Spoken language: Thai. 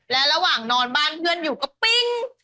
และระหว่างนอนบ้านเพื่อนอยู่ก็ปิ้ง